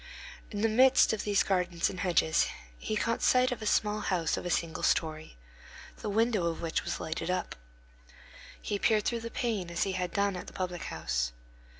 In the midst of these gardens and hedges he caught sight of a small house of a single story, the window of which was lighted up. He peered through the pane as he had done at the public house.